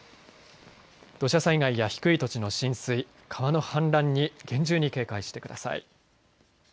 土砂災害や低い土地の浸水、川の氾濫に厳重に警戒してください。